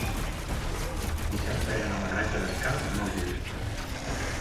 dissabte he d'anar a la Granja d'Escarp amb autobús.